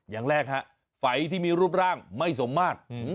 อย่างแรกฮะไฝที่มีรูปร่างไม่สมมาตร